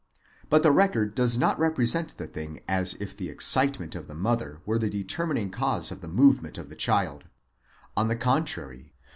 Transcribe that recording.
But the record does not represent the thing as if the excitement of the mother were the determining cause of the movement of the child ; on the contrary (v.